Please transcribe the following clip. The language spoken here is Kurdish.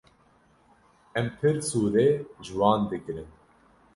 Em pir sûdê ji wan digirin.